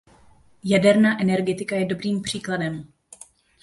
Jaderná energetika je dobrým příkladem.